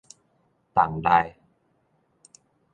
重利